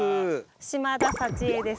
島田幸枝です。